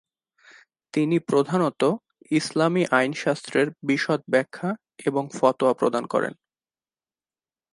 তিনি প্রধানতঃ ইসলামী আইনশাস্ত্রের বিশদ ব্যাখ্যা এবং ফতোয়া প্রদান করেন।